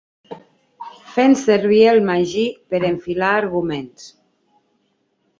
Fent servir el magí per enfilar arguments.